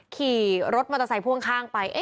ขี่รถมอเตอร์ไซค์พ่วงข้างไป